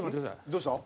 どうした？